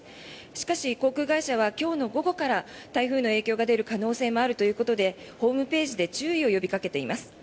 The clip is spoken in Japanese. しかし航空会社は今日の午後から台風の影響が出る可能性があるということでホームページで注意を呼びかけています。